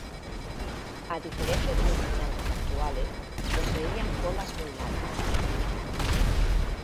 A diferencia de los rumiantes actuales, poseían colas muy largas.